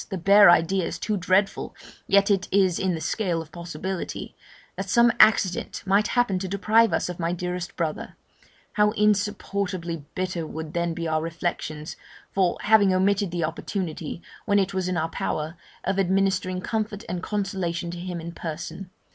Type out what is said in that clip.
the bare idea is too dreadful, yet it is in the scale of possibility), that some accident might happen to deprive us of my dearest brother: how insupportably bitter would then be our reflections, for having omitted the opportunity, when it was in our power, of administering comfort and consolation to him in person.